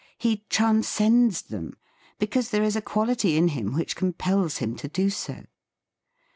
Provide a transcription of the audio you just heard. He transcends them, because there is a quality in him which compels him to do so.